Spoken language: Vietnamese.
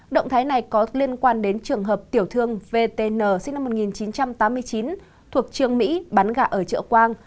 động thái này có liên quan đến trường hợp tiểu thương vtn sinh năm một nghìn chín trăm tám mươi chín thuộc trường mỹ bắn gà ở trợ quang